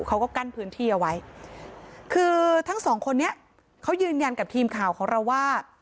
เขาก็กั้นพื้นที่เอาไว้คือทั้งสองคนนี้เขายืนยันกับทีมข่าวของเราว่า